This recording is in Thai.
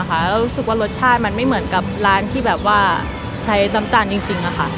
แล้วรู้สึกว่ารสชาติมันไม่เหมือนกับร้านที่แบบว่าใช้น้ำตาลจริง